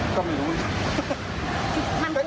ก็ไม่รู้นะ